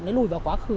nói lùi vào quá khứ